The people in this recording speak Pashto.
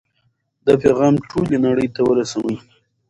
دا پیغام ټولې نړۍ ته ورسوئ.